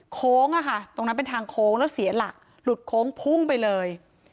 โค้งอะค่ะตรงนั้นเป็นทางโค้งแล้วเสียหลักหลุดโค้งพุ่งไปเลย